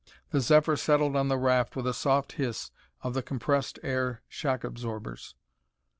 The Zephyr settled on the raft with a soft hiss of the compressed air shock absorbers.